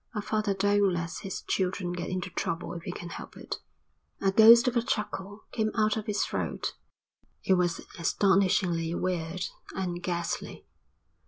A father don't let his children get into trouble if he can help it." A ghost of a chuckle came out of his throat. It was astonishingly weird and ghastly.